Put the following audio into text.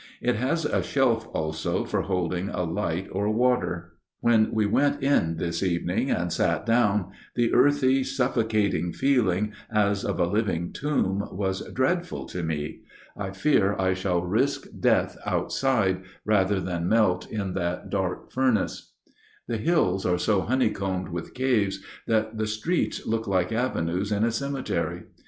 It has a shelf also, for holding a light or water. When we went in this evening and sat down, the earthy, suffocating feeling, as of a living tomb, was dreadful to me. I fear I shall risk death outside rather than melt in that dark furnace. The hills are so honeycombed with caves that the streets look like avenues in a cemetery.